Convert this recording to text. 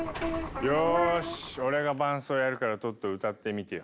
よし俺が伴奏やるからトット歌ってみてよ。